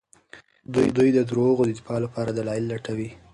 دوی د دروغو د دفاع لپاره دلايل لټوي.